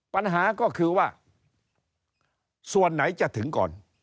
ปัญหาก็คือว่าส่วนไหนจะถึงก่อน